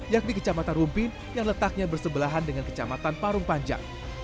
yakni kecamatan rumpin yang letaknya bersebelahan dengan kecamatan parung panjang